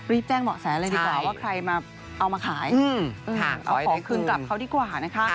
รีบแจ้งเหมาะแสเลยดีกว่าว่าใครมาเอามาขายเอาของคืนกลับเขาดีกว่านะคะ